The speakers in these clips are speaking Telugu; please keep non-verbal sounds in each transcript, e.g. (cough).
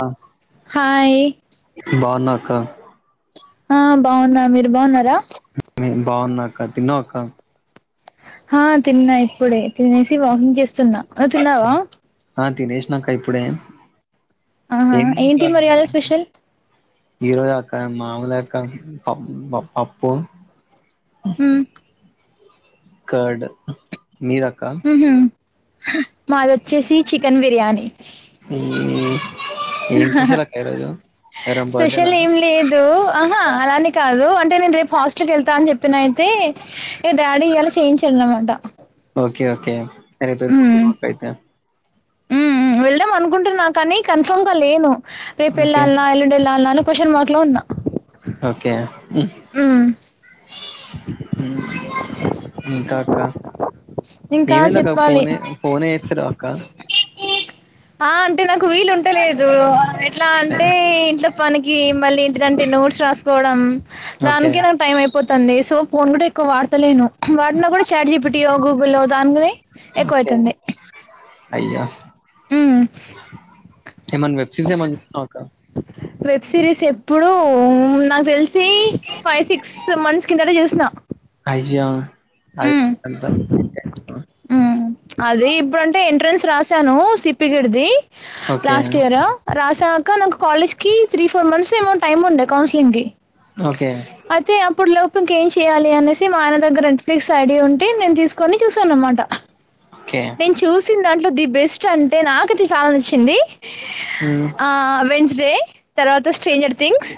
ఆ హాయ్ బాగున్నా అక్కా ఆ బాగున్నా మీరు బాగున్నారా బాగున్నాక తిన్నావక్క హా తిన్నా ఇప్పుడే తినేసి వాకింగ్ చేస్తున్నా నువు తిన్నావా తిన్నాక ఇప్పుడె ఆహా ఏంటి మరి ఇయాల స్పెషల్ ఈ రోజక్క మాము లెక్క పప్ పప్పు ఉమ్ కర్డ్ మీదక్కా మాదిొచ్చేసి చికెన్ బిర్యానీ అ ఎవరి స్పెషల్ బర్త్డేనా ఏం లేదు అహా అలా అని కాదు అంటే నేను రేపు హాస్టల్కి వెళ్తా అని చెప్పినయితే ఏ డాడీ ఇ యాలా చేయించాను అనమాట ఓకె ఓకే మా కయితే వెళ్దాం అనుకుంటున్నా కాని కన్ఫామ్ గా లేను రేపు ఓకే వెళ్ళాల్న్ ఎల్లుండి వెళ్ళాలన్నా క్వషన్ మార్క్ లో ఉన్నా ఓకె ఉమ్ ఇంకా అక్కా ఇంకా ఏమేందక్క చెప్పాలి ఫోన్ ఫోన్ చేస్తాలేరు అక్క ఆ అంటే నాకు వీలు ఉండలేదు ఎట్లా అంటే ఇంట్లో పనికి మళ్ళీ ఏంటంటే నోట్స్ రాస్కోవడం ఓకే దానికె నా టైం అయిపోతుంది సో ఫోన్ కూడ ఎక్కువ వాడతలేను వాడినా కూడ చాట్ చెప్పటియో గూగుల్లో దానినే ఓకే ఎక్కువయితుంది అయ్యా ఎమయిన వెబ్సిరిస్ ఎ ఒక వెబ్ సిరీస్ ఎప్పుడుూ నాకు తెలిసి ఫైవ్ సిక్స్ మంత్స్ కిందట చూస్ అయ్యా అది అంత ఉ అది ఇప్పుడుటే ఎంట్రన్స్ రాసాను సిప్పగిడిది ఓకే లాస్ట్ ఇయర్ రాసాక నాకు కాలేజ్ కి త్రీ ఫోర్ మంత్స్ ఏమౌ టైమ్ ఉండే కౌన్సిలింగ్ కి ఓకే అయితే అప్పుడు ఇంకేం చెయాలి అనేసి మా ఆయన దగ్గర నెట్ఫ్లిక్స్ ఐడియా ఉంటే నేను తీసుకొని చూసాను అనమాట ఓకే నే న్ చూసిన దాంట్లో ది బెస్ట్ అంటే నాకది ఫ్యాన్ నచ్చింది హ్మ్ ఆ వెన్స్డే తర్వాత స్ట్రేంజర్ థింగ్స్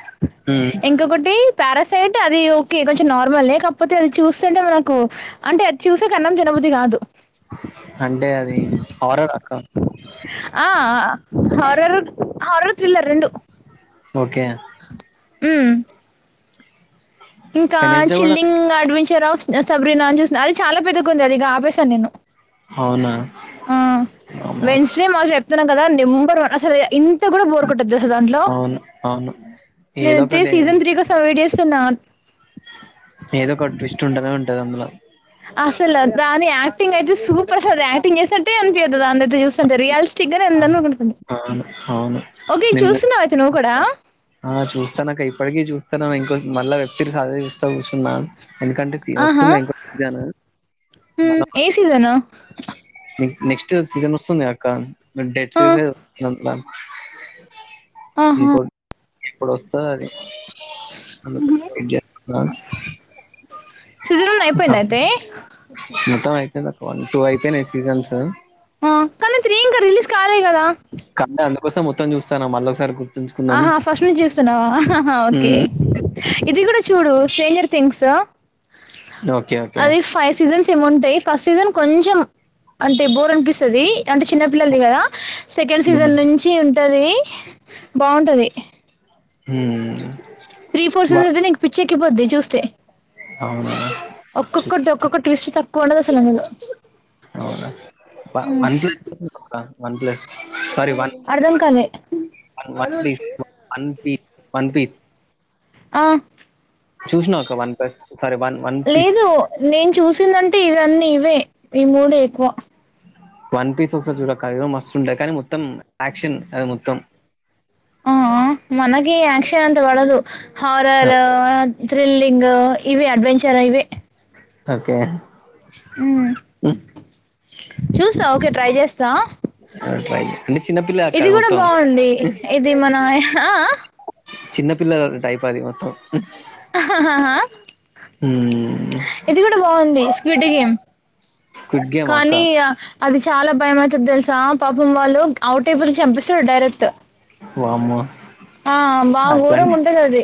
హ్మ్ ఇంకొకటి పారాసైట్ అది ఓకే కొంచెం నార్మల్ లే కాకపోతే అ చూస్తుంటే మనకు అంటే అది చూసేక అన్నం తినబుద్ధి కాదు అంటే అది హార రక్క అ ఆ హారర్ హరత్రల రెండు ఓకె మ్మ్. ఇంకా చిల్లింగ్ అడ్వెంచరా సబ్రీనా అని చూసా అది చాల పెద్దగా ఉంది అది ఆపేశాను నేను అవునా? ఆ అమ్మో! వెన్స్డే మాకు చెప్తున్నాం కదా నెంబర్ వన్ అసలు ఇంత కూడ బోర్ కొట్టద్ తెల్స దాంట్లో అవును. అవును. ఏదో నేనుతే ఒకటి సీజన్ త్రీ సవ చేస్తున్నా ఏదో ఒక ట్విస్ట్ ఉంటదె ఉంటది అందులో అసలు దాని యాక్టింగ్ అయితే సూపర్ సార్ యాక్టింగ్ చేసినట్టే అనిపి దు అ చూంటే రియాలస్టిక్ గా ఎంట అవును. అవును. ఓకే నేను చూస్తున్నావ అయితే నువ్వు కూడా ఆ చూస్తానక్క ఇప్పటికీ చూస్తాను ఇంకో మళ్ళా వక్తికి చూస్త చూచున్నాను ఎందుకంటే ఆహా వస్తుంది ఇంకో సీజన్ మ్మ్ మనం ఏ సీజను నెక్స్ట్ సీజన్ వస్తుంది అక్క డెడ్ ఆ సీజన్ ఆహ ఇప్పుడొస్తది అది అందు సీజన్ వన్ అయిపోయిందా అయితే మొత్తం అయితే వన్ టూ అయిపోయిన యి సీజన్స్ ఆ కనీ త్రి ఇంకా రిలీస్ కాలేద్ కదా గట్నే అందుకోసం మొత్తం చూస్తాం మళ్ళ ఒకసారి గుర్తుంచుకుందాం ఆహా ఫస్ట్ నుంచి చూస్తున్నావాా ఓకే ఉమ్, ఇది కూడా చూడు చేేంజర్ థింగ్స్ ఓకే ఓకే అది ఫైవ్ సీజన్స్ ఉంటాయి ఫస్ట్ సీజన్ కొంచెం అంటే బోర్ అనిపిస్తుంది అంటే చిన్నపిిల్లలది కదా సెకండ్ సీజన్ ఉమ్, నుంచి ఉంటది బాగుంటది ఉమ్. త్రీ ఫోర్స వా- పిచ్చే ఎక్కిపోద్ది చూస్తే అవునా చూ- ఒక్కొక్కటి ఒక్కొక్క టూస్ట్ తక్కువ ఉండదు అసలుందులో అవునా one plus one plus sorry one అర్ధం కాలే న్ one piece one piece one piece ఆ చూసినావు ఒక వన్ ప్స్ లేదు నేను చూసిందంటే ఇవన్నీ ఇవే ఈ మూడు ఎక్కువ వన్ పస్ చ క మస్ కానీ మొత్తం ఆక్షన్ అ మొత్తం ఆ మనకి అక్షయ అంత వాళదు హారర్ థ్రిల్లింగ్ ఇవి అడ్వెంచర్ ఇవి ఓకే చూస్తా ఓకే ట్రై చేస్తా అ అే ఇది కూడా బాగుంది ఇది మన ఆ చిన్నపిల్లల టైప్ అది మొత్తం ాహా ఉమ్. ఇది కూడా బాగుంది వటి గేమ్ స్క్విడ్ గేమ్ అక్క కానీ అది చాలా భయంమవుతుది తెలుసా పాపం వాళ్ళు అవుటేబుల్ చంపిస్తారు డైరెక్ట్ వమ ఆ బా ఊరం ఉంటంది అది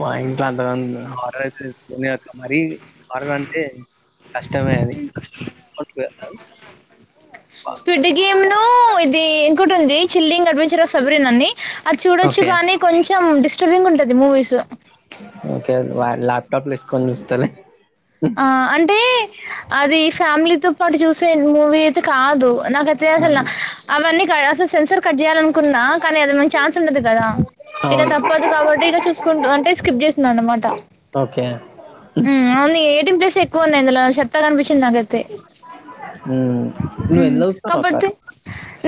వాయిట్లా త హయిలా మరి వరంటే కష్టమే అది స్పీడ్ గేమ్ ను ఇ ఇది ఇంకటి ఉంది చిల్లింగ్ అడ్వెంచర్ సబరన్ అని అది చూడొచ్చు ఓకే కాగానీ కొంచె కొంచెం డిస్టర్బింగ్ ఉంటుది మూవీస్ ఓకే ల్యాప్టాప్లు వేసుకొని చూస్తలే ఆ అంటే అది ఫ్యామిలీతో పాటు చూసే మూవీ అయితే కాదు నాకు అత అసలు అవన్నీ అసలు సెన్సర్ కట్ చేయాలినుకు కానీ అది మ ఛాన్స్ ఉండదు కదా ఇక అవును తప్పదు కాబట్టి ఇక చూ కు అంటే స్కిప్ చేస్తుంద అనమాట ఓకే ప్లేస్క్కువ ఉన్నాయి ఇందులోలత్తత అనిించింది నువ్వ హ్మ్. ఎందుల వస్తాను అక్క కాపోతే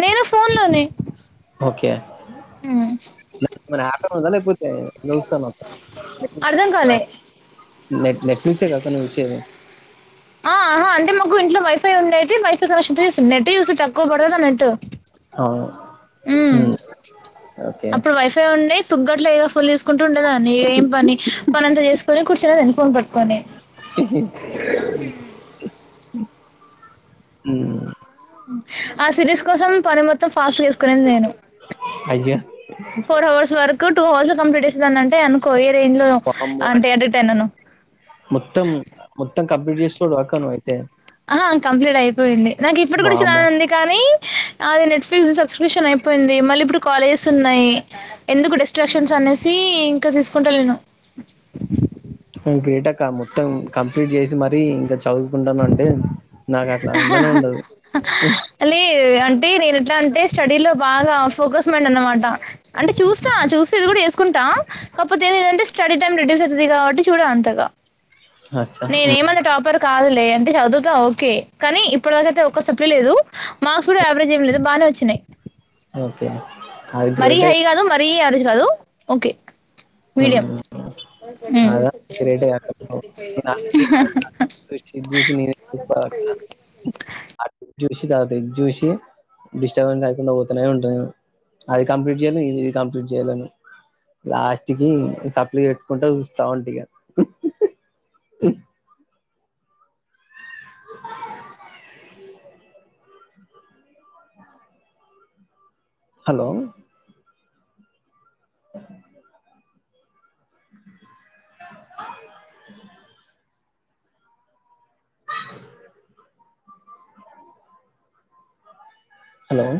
నేను ఫోన్ లోనే ఓకే మపో సా అర్థం కాలే. నెట్ నెట్ ఫూస కకు వషనే ఆహా అంటే మాకు ఇంట్లో వైఫై ఉే అయితే వైఫై నెట్ తక్కువ పడద నెట్ అవును ఉ హ్మ్. ఓకే అప్పుడు వైఫై ఉన్నాయి ఫుగ్గట్లో ఏ ఫుల్ తీసుకుంట ఉండేదాన్ని ఏం పని పనింతా చేసుకొని కూర్చునేదాన్ని ఫోన్ పెట్టుకొని (inaudible) ఆ సిరిస్ కోసం ప మ ఫాస్ట్ వేసుకునే నేను అయ్యో ఫోర్ అవర్స్ వరకు టూ హాల్ కంప్లీట్ చేసా అంటే అనుకో ట్రైన్ లో వామ్మో అంటే అటిటనను మొత్తం మొత్తం కంప్లీట్ చేస్తూ డక్కనవాయ్ ఆహ కంప్లీట్ అయిపోయింది నాకు ఇప్పుడు కూడా వామ్మో చూడాలనుంది కానీ అది నెట్ఫ్లిక్స్ సబ్స్క్రిప్షన్ అయిపోయింది మళ్ళీ ఇప్పుడు కాలేజెస్ ఉన్నాయి ఎందుకు డస్ట్రాక్షన్స్ అన్ నేసి ఇంకా తీసుకుంటలేను నువ్ గ్రేటక్కా మొత్తం కంప్లీట్ చేసి మరీ ఇంక చదువుకుంటన్ వంటే అహ హా లీ అంటే నేను ఎట్లా అంటే స్టడీ లో బాగా ఫోకస్ మైండ్ అనమాట అంటే చూస్తా చూస్తే ఇది కూడా చేసుకుంటాం కాపోతే ఏ అంటే స్టడీ టైం రెడ్యూస్ అయితది కాబట్టి చూడ అంతగా అచ్చా నేనేమన్నా టాపర్ కాదు లే అంటే చదుతా ఓకే కానీ ఇప్పటి వరకి ఒక్కసప్లీ లేదు మార్క్స్ కూడా యావరేజ్ ఏమి లేదు బానే వచ్చినాయి ఓకే అది మరీ గ్రేటే హై గదు మరీ యావరేజ్ గాదు ఓకే మీడియం అదా హ్మ్ గ్రేటే అక్క క్రిష్టియన్ చూసి మీరే (unintelligible) అక్క జ్యూసి తాగుతయి జ్యూసి డిస్టర్బెన్స్ అయకుండా ఓతనే ఉంటదా అది కంప్లీట్ చేయను ఇదీ కంప్లీట్ చేయలేను లాస్ట్ కిది సప్లి పెట్టుకుంటా చూస్తావుంటి ఇగా హలో హలో